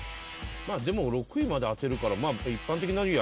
まあでも６位まで当てるから一般的な入るよね。